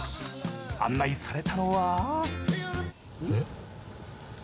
案内されたのは。